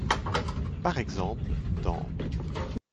Par exemple dans 文.